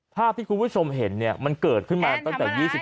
ภาพที่คุณวิทย์สมเห็นเนี่ยมันเกิดขึ้นมาตั้งแต่๒๖ปีใช่ไหม